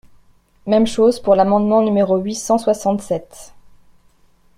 Même chose pour l’amendement numéro huit cent soixante-sept.